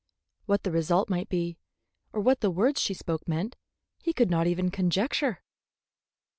What the result might be, or what the words she spoke meant, he could not even conjecture.